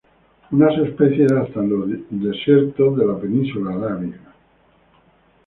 Unas especies hasta en los desiertos de la Península arábiga.